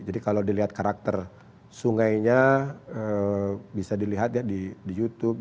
jadi kalau dilihat karakter sungainya bisa dilihat di youtube